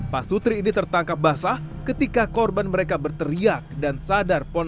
pasutri ini tertangkap basah ketika korban mereka berteriak dan sadar polisinya